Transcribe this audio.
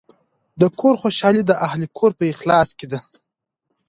د کور خوشحالي د اهلِ کور په اخلاص کې ده.